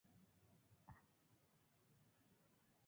প্রতিবাদকারীদের অনেকেই উত্তর আয়ারল্যান্ড থেকে এসেছেন।